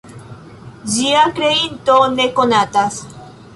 Ĝia kreinto ne konatas.